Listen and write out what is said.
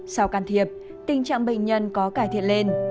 sau can thiệp tình trạng bệnh nhân có cải thiện lên